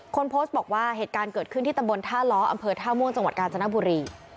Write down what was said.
คนโพสต์บอกว่าเหตุการณ์เกิดขึ้นที่ตำบลท่าล้ออำเภอท่าม่วงจังหวัดกาญจนบุรี